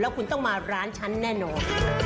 คุณต้องมาร้านฉันแน่นอน